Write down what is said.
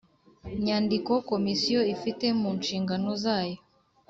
nyandiko Komisiyo ifite mu nshingano zayo